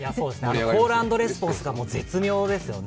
コール・アンド・レスポンスが絶妙ですよね。